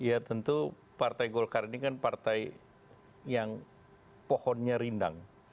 ya tentu partai golkar ini kan partai yang pohonnya rindang